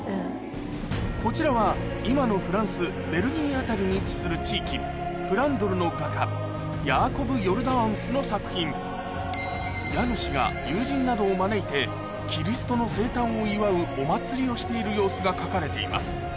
こちらは今のフランスベルギー辺りに位置する地域フランドルの画家ヤーコブ・ヨルダーンスの作品家主が友人などを招いてをしている様子が描かれています